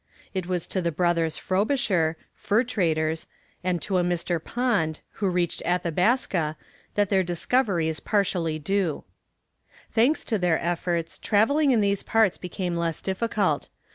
It was to the brothers Frobisher, fur traders, and to a Mr. Pond, who reached Athabasca, that their discovery is partially due. Thanks to their efforts, travelling in these parts became less difficult.